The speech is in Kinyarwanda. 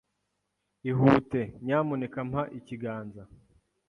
Ihute. Nyamuneka mpa ikiganza.